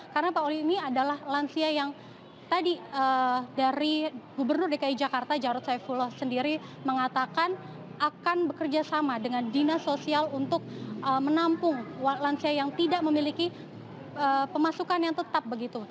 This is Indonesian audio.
karena pak olin ini adalah lansia yang tadi dari gubernur dki jakarta jarod saifulo sendiri mengatakan akan bekerja sama dengan dinas sosial untuk menampung lansia yang tidak memiliki pemasukan yang tetap begitu